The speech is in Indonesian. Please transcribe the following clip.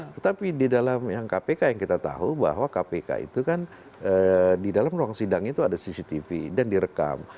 tetapi di dalam yang kpk yang kita tahu bahwa kpk itu kan di dalam ruang sidang itu ada cctv dan direkam